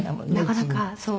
なかなかそう。